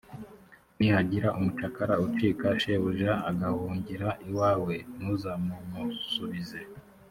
nihagira umucakara ucika shebuja, agahungira iwawe, ntuzamumusubize;